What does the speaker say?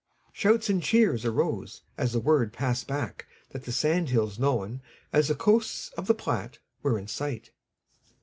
Shouts and cheers arose as the word passed back that the sand hills known as the Coasts of the Platte were in sight.